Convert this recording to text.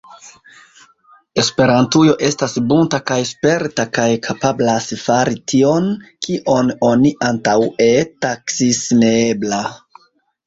Esperantujo estas bunta kaj sperta kaj kapablas fari tion, kion oni antaŭe taksis neebla.